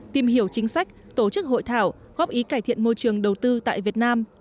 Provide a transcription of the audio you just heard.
tìm hiểu chính sách tổ chức hội thảo góp ý cải thiện môi trường đầu tư tại việt nam